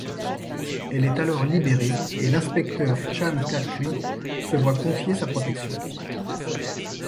Elle est alors libéré, et l'inspecteur Chan Ka Kui se voit confier sa protection.